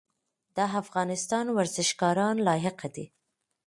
د افغانستان ورزشکاران لایق دي